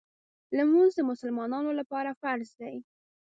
لمونځ د مسلمانانو لپاره فرض دی.